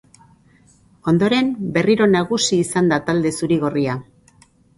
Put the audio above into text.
Ondoren, berriro nagusi izan da talde zuri-gorria.